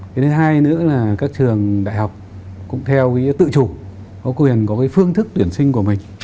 cái thứ hai nữa là các trường đại học cũng theo cái tự chủ có quyền có cái phương thức tuyển sinh của mình